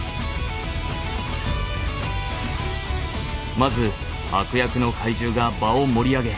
まず悪役の怪獣が場を盛り上げ